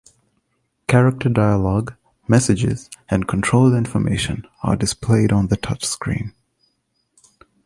Character dialogue, messages and control information are displayed on the touch screen.